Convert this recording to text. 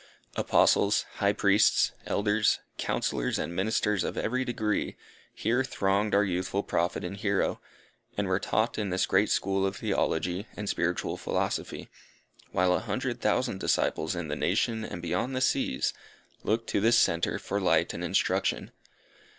Apostles, High Priests, Elders, Counsellors and Ministers of every degree, here thronged our youthful Prophet and hero, and were taught in this great school of Theology and spiritual philosophy; while a hundred thousand disciples in the nation and beyond the seas, looked to this centre for light and instruction.